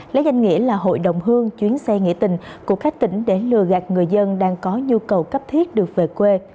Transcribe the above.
lấy danh nghĩa là hội đồng hương chuyến xe nghĩa tình của các tỉnh để lừa gạt người dân đang có nhu cầu cấp thiết được về quê